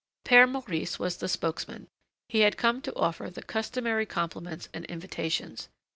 Père Maurice was the spokesman; he had come to offer the customary compliments and invitations.